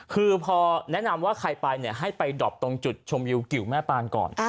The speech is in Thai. คือพอแนะนำว่าใครไปให้ไปดอบตรงจุดชมิวเกี่ยวแม่ปลายก่อน